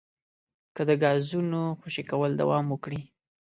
که د ګازونو خوشې کول دوام وکړي